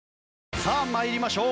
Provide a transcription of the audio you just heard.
さあ参りましょう。